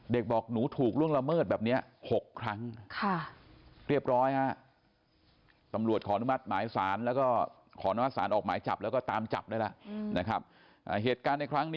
บอกหนูถูกล่วงละเมิดแบบนี้๖ครั้ง